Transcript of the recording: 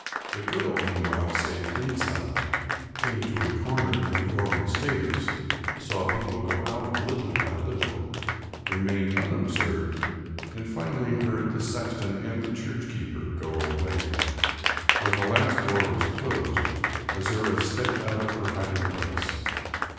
The girl meanwhile stayed inside; came to a corner in the organ stairs; saw people go out little by little; remained unobserved, and finally heard the sexton and the church keeper go away. When the last door was closed, Azouras stepped out of her hiding place.